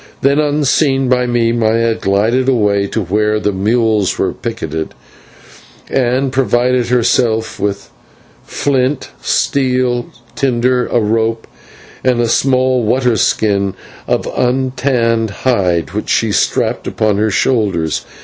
Then, unseen by me, Maya glided away to where the mules were picketed and provided herself with flint, steel, tinder, a rope, and a small water skin of untanned hind, which she strapped upon her shoulders.